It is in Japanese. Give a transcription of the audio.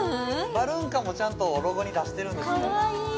バルーン感もちゃんとロゴに出してるんですね・かわいい！